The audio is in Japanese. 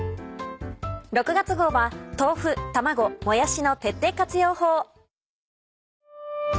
６月号は豆腐卵もやしの徹底活用法。